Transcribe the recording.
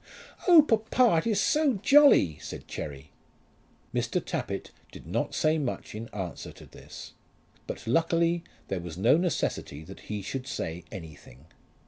"Oh, papa, it is so jolly!" said Cherry. Mr. Tappitt did not say much in answer to this; but luckily there was no necessity that he should say anything.